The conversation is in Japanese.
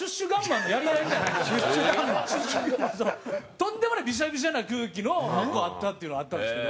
とんでもないビシャビシャな空気のあったっていうのはあったんですけど。